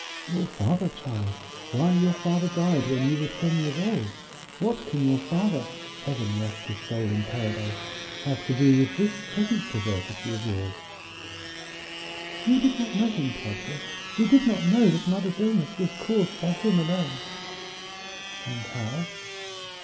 "Your father, child! Why, your father died when you were ten years old. What can your father (Heaven rest his soul in paradise!) have to do with this present perversity of yours?" "You did not know him, padre; you did not know that mother's illness was caused by him alone." "And how?"